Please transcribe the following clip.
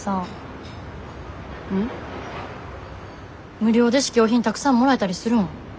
無料で試供品たくさんもらえたりするん？